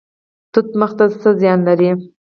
توت مخي څه زیان لري؟